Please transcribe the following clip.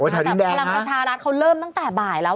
แต่พลังประชารัฐเขาเริ่มตั้งแต่บ่ายแล้ว